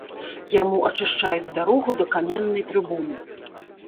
Яму ачышчаюць дарогу да каменнай трыбуны.